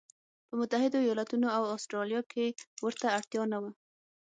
په متحدو ایالتونو او اسټرالیا کې ورته اړتیا نه وه.